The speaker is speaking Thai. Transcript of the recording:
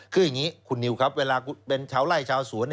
คืออย่างนี้คุณนิวครับเวลาเป็นชาวไล่ชาวสวน